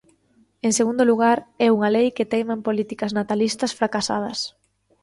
En segundo lugar, é unha lei que teima en políticas natalistas fracasadas.